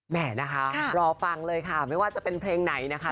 แม่นะคะรอฟังเลยค่ะไม่ว่าจะเป็นเพลงไหนนะคะ